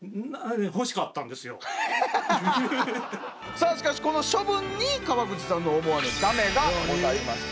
さあしかしこの処分に川口さんの思わぬだめがございました。